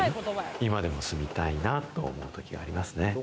今でも住みたいなと思うときがありますね。